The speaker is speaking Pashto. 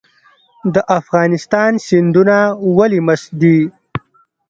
د افغانستان سیندونه ولې مست دي؟